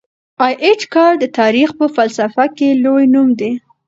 ای اېچ کار د تاریخ په فلسفه کي لوی نوم دی.